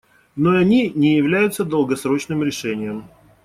Но они не являются долгосрочным решением.